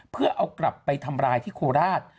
เพื่อเอากลับไปทำร้ายที่โคราช